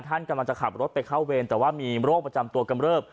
ท่านกำลังจะขับรถไปเข้าเวรแต่ว่ามีโรคประจำตัวกำเริบ